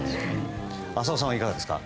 浅尾さんはいかがですか？